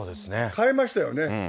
変えましたよね。